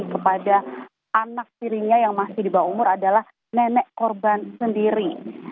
kepada anak tirinya yang masih di bawah umur adalah nenek korban sendiri